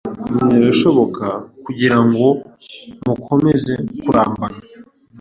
inzra ishoboka kugira ngo mukomeze kurambana.